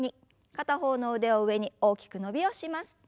片方の腕を上に大きく伸びをします。